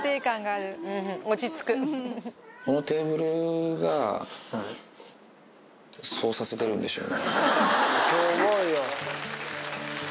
このテーブルが、そうさせてるんでしょうね。